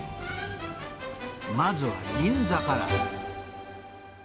まずは銀座から。